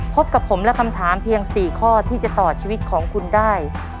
พบกับผมและคำถามเพียง๔ข้อที่จะต่อชีวิตของคุณได้